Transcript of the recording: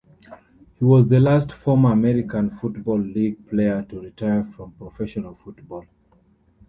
He was the last former American Football League player to retire from professional football.